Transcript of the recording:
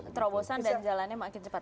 terobosan dan jalannya makin cepat